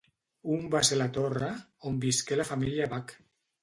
Un va ser La Torre, on visqué la família Bac.